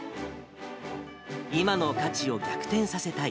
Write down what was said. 今の価値を逆転させたい。